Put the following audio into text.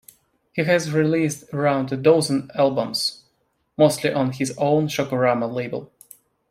He has released around a dozen albums, mostly on his own Shockorama label.